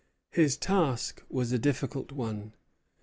His task was a difficult one.